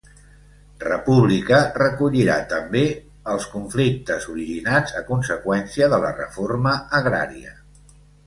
República recollirà també els conflictes originats a conseqüència de la reforma agrària.